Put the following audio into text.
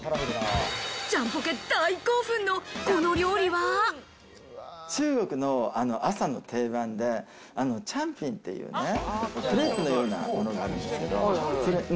ジャンポケ大興奮の、この料中国の朝の定番でチェンピンっていうね、クレープのようなものがあるんですけど。